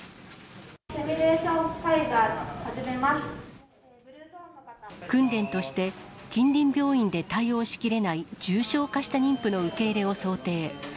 シミュレーションカイザー始訓練として、近隣病院で対応しきれない重症化した妊婦の受け入れを想定。